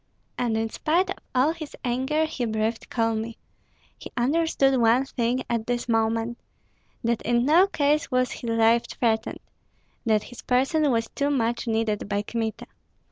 And in spite of all his anger he breathed calmly; he understood one thing at this moment, that in no case was his life threatened, that his person was too much needed by Kmita.